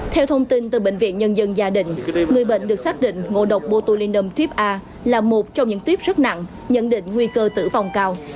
theo thông tin từ bệnh viện nhân dân gia đình người bệnh được xác định ngộ độc botulinum tuyếp a là một trong những tiếp rất nặng nhận định nguy cơ tử vong cao